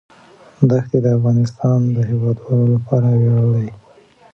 دښتې د افغانستان د هیوادوالو لپاره ویاړ دی.